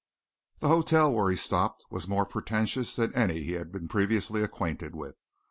The hotel where he stopped was more pretentious than any he had been previously acquainted with.